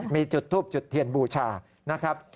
มีจุดทูบจุดเทียนบูชานะครับ